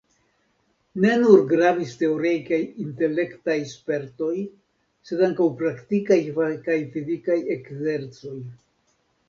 Ne nur gravis teoriaj kaj intelektaj spertoj sed ankaŭ praktikaj kaj fizikaj ekzercoj.